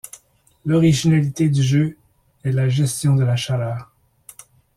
L'originalité du jeu est la gestion de la chaleur.